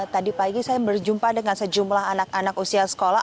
tadi pagi saya berjumpa dengan sejumlah anak anak usia sekolah